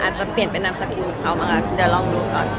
อาจจะเปลี่ยนเป็นน้ำสกุลเขามากันเดี๋ยวลองดูก่อน